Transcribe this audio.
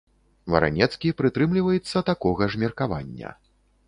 Варанецкі прытрымліваецца такога ж меркавання.